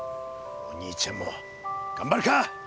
お兄ちゃんも頑張るか！